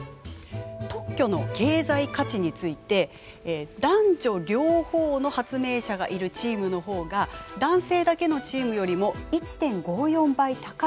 特許の経済価値について男女両方の発明者がいるチームの方が男性だけのチームよりも１．５４倍高いと。